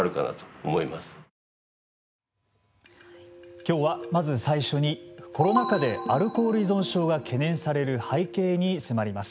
きょうはまず最初にコロナ禍でアルコール依存症が懸念される背景に迫ります。